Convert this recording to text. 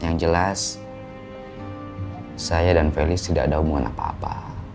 yang jelas saya dan felis tidak ada hubungan apa apa